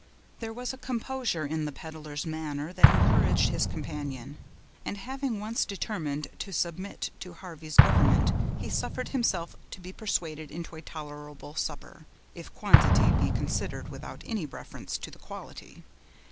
There was a composure in the peddler's manner that encouraged his companion; and having once determined to submit to Harvey's government, he suffered himself to be persuaded into a tolerable supper, if quantity be considered without any reference to the quality.